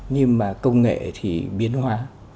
nhưng mà công nghệ thì biến hóa